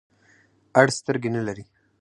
اړ سترګي نلری .